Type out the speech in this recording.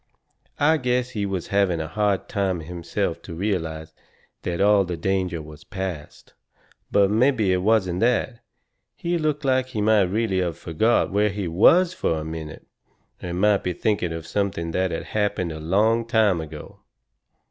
I guess he was having a hard time himself to realize that all the danger was past. But mebby it wasn't that he looked like he might really of forgot where he was fur a minute, and might be thinking of something that had happened a long time ago.